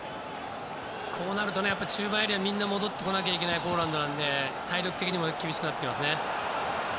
こうなると中盤エリアみんな戻らないといけないポーランドなので体力的にも厳しくなりますね。